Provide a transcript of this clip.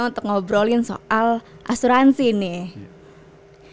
untuk ngobrolin soal asuransi nih